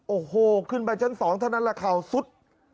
โอ้โหขึ้นไปชั้นสองเท่านั้นละคราวสุด